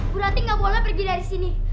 bu rati nggak boleh pergi dari sini